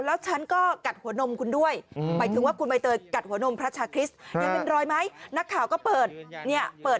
เปิดจีวอนดูเลยค่ะเจอไหมไม่เจอ